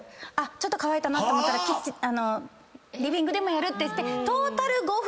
ちょっと乾いたなと思ったらリビングでもやるってして。